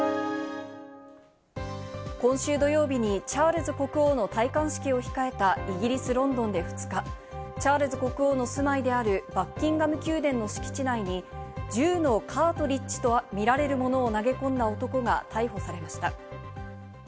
今週土曜日にチャールズ国王の戴冠式を控えたイギリス・ロンドンで２日、チャールズ国王の住まいであるバッキンガム宮殿の敷地内に銃のカートリッジとみられるものを投げ込んだ男が逮捕されました。